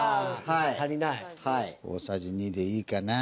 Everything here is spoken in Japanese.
大さじ２でいいかな。